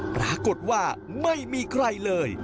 ปรากฏว่าไม่มีใครเลย